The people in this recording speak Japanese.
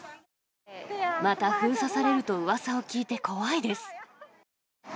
また封鎖されるとうわさを聞いて怖いです。